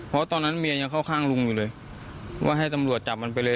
เพราะตอนนั้นเมียยังเข้าข้างลุงอยู่เลยว่าให้ตำรวจจับมันไปเลย